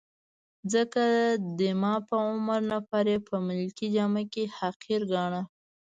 ځکه د ما په عمر نفر يې په ملکي جامه کي حقیر ګاڼه.